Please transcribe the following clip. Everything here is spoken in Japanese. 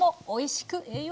おいしい！